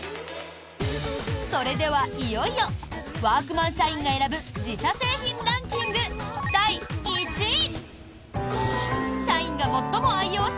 それでは、いよいよワークマン社員が選ぶ自社製品ランキング第１位！